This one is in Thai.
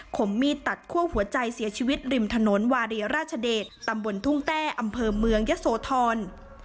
มมีดตัดคั่วหัวใจเสียชีวิตริมถนนวารีราชเดชตำบลทุ่งแต้อำเภอเมืองยะโสธร